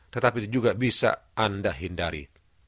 tetap itu juga bisa anda hindari